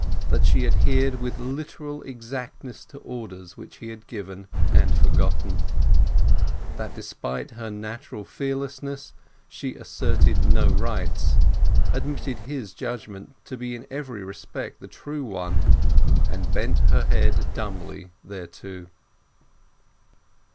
—that she adhered with literal exactness to orders which he had given and forgotten; that despite her natural fearlessness she asserted no rights, admitted his judgement to be in every respect the true one, and bent her head dumbly thereto.